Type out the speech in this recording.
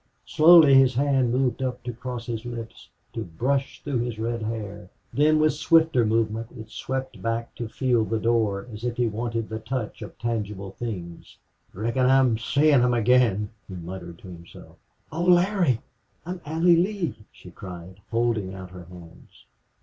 Slowly his hand moved up to cross his lips, to brush through his red hair; then with swifter movement it swept back to feel the door, as if he wanted the touch of tangible things. "Reckon I'm seein' 'em again!" he muttered to himself. "Oh, Larry I'm Allie Lee!" she cried, holding out her hands.